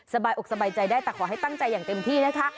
สบายอกสบายใจได้แต่ขอให้ตั้งใจอย่างเต็มที่นะคะ